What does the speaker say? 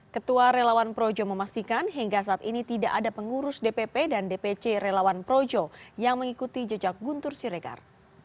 ketua relawan projo memastikan hingga saat ini tidak ada pengurus dpp dan dpc relawan projo yang mengikuti jejak guntur siregar